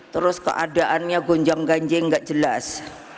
terus keadaannya gonjang ganjing nggak jelas